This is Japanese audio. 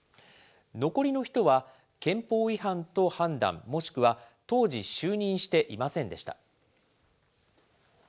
残りの人は憲法違反と判断、もしくは当時就任していませんでした。